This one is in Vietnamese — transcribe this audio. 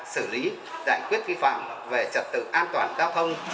xử lý giải quyết vi phạm về trật tự an toàn giao thông